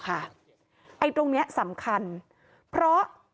ไอ้ตรงนี้สำคัญเพราะ